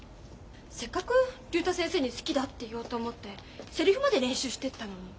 せっかく竜太先生に好きだって言おうと思ってセリフまで練習してったのに。